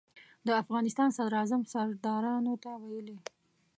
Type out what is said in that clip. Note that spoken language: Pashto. د افغانستان صدراعظم سردارانو ته ویلي.